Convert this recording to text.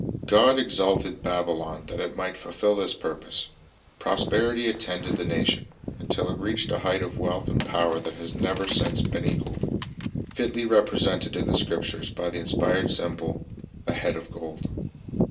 God exalted Babylon that it might fulfil this pur pose. Prosperity attended the nation, until it reached Babylon a height of wealth and power that has never since been equaled, — fitly represented in the Scriptures by the inspired symbol, a "head of gold."